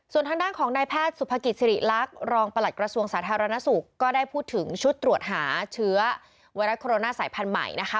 ส่วนทางด้านของนายแพทย์สุภกิจสิริรักษ์รองประหลัดกระทรวงสาธารณสุขก็ได้พูดถึงชุดตรวจหาเชื้อไวรัสโคโรนาสายพันธุ์ใหม่นะคะ